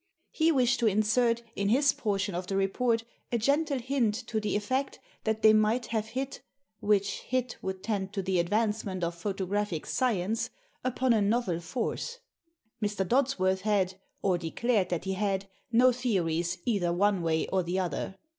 He wished to insert, in his portion of the report, a gentle hint to the effect that they might have hit — which hit would tend to the advancement of photographic science — upon a novel force. Mr. Dodsworth had, or declared that he had, no theories either one way or the other.